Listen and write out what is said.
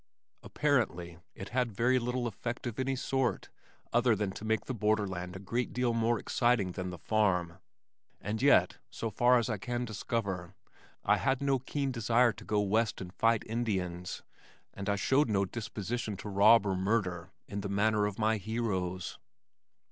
Apparently it had very little effect of any sort other than to make the borderland a great deal more exciting than the farm, and yet so far as I can discover, I had no keen desire to go West and fight Indians and I showed no disposition to rob or murder in the manner of my heroes.